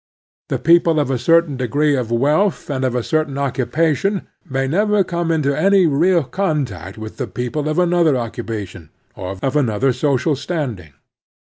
The people of a certain degree of wealth and of a certain occu pation may never come into any real contact with the people of another occupation, of another social standing.